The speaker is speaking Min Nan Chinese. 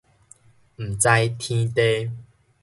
毋知天地